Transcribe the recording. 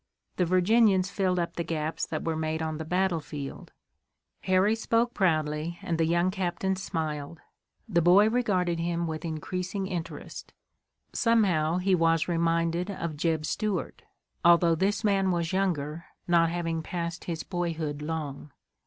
"The Virginians filled up the gaps that were made on the battlefield." Harry spoke proudly, and the young captain smiled. The boy regarded him with increasing interest. Somehow he was reminded of Jeb Stuart, although this man was younger, not having passed his boyhood long.